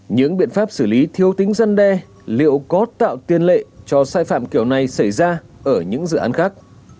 những biện pháp xử lý thiếu tính dân đe liệu có tạo tiền lệ cho sai phạm kiểu này xảy ra ở những dự án khác